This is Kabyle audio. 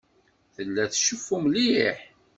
Tella tceffu mliḥ.